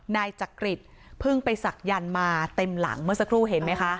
นายจักริตเพิ่งไปศักยันต์มาเต็มหลังเมื่อสักครู่เห็นไหมคะ